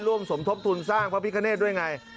สมทบทุนสร้างพระพิคเนธด้วยไง